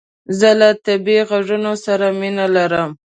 زه له طبیعي عږونو سره مینه لرم